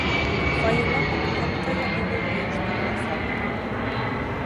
Фойела матбуғатҡа яҙылыу ойоштороласаҡ.